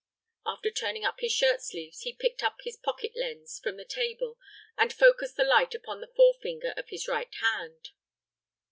After turning up his shirt sleeves, he picked up a pocket lens from the table and focused the light upon the forefinger of his right hand.